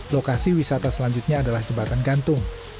lokasi wisata selanjutnya adalah jembatan gantung